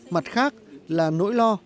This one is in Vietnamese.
mặt khác là nỗi lo